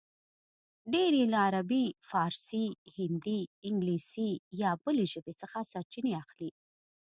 ډېر یې له عربي، فارسي، هندي، انګلیسي یا بلې ژبې څخه سرچینې اخلي